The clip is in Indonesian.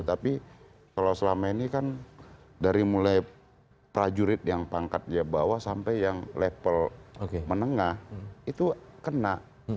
tapi kalau selama ini kan dari mulai prajurit yang pangkat bawah sampai yang level menengah itu kena